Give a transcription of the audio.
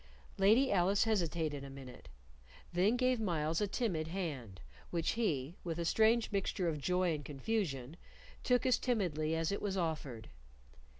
Lady Alice hesitated a minute, then gave Myles a timid hand, which he, with a strange mixture of joy and confusion, took as timidly as it was offered.